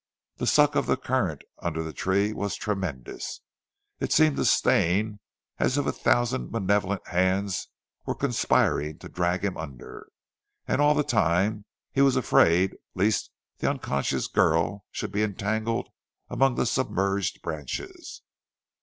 The suck of the current under the tree was tremendous. It seemed to Stane as if a thousand malevolent hands were conspiring to drag him under; and all the time he was afraid lest the unconscious girl should be entangled among the submerged branches.